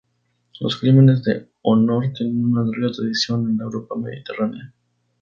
Los crímenes de honor tienen una larga tradición en la Europa mediterránea.